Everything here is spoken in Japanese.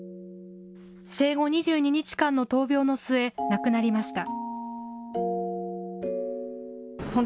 生後２２日間の闘病の末、亡くなりました。